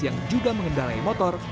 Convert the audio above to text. yang juga mengendarai motor